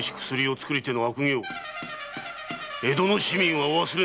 江戸の市民は忘れぬぞ！